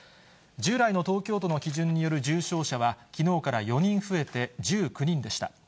従来の東京都の基準による重症者はきのうから４人増えて、１９人でした。